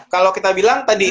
kalau kita bilang tadi